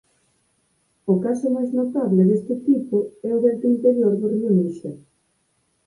O caso máis notable deste tipo é o delta interior do río Níxer.